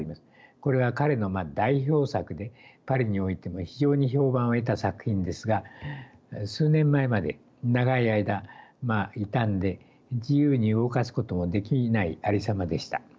これは彼の代表作でパリにおいても非常に評判を得た作品ですが数年前まで長い間傷んで自由に動かすこともできないありさまでした。